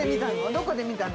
どこで見たの？